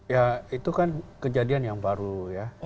ya itu kan kejadian yang baru ya